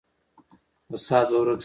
فساد به ورک شي.